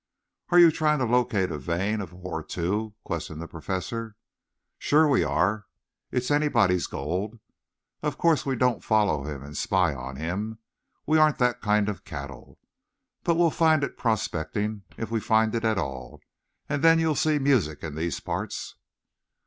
"Are you trying to locate a vein of ore, too?" questioned the Professor. "Sure we are. It's anybody's gold. Of course we don't follow him and spy on him. We aren't that kind of cattle. But we'll find it prospecting if we find it at all, and then you'll see music in these parts."